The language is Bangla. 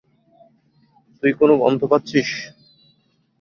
তুই কোন গন্ধ পাচ্ছিস?